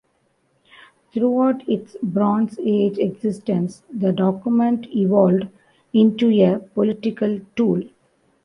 Throughout its Bronze Age existence, the document evolved into a political tool.